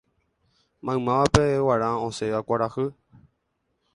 Maymávape g̃uarã osẽva kuarahy